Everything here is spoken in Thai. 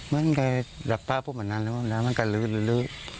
มันก็คือหลับป้าเพื่อพวกมันเดินไปหน่อยมันก็คือหลือ